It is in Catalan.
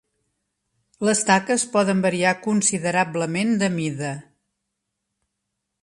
Les taques poden variar considerablement de mida.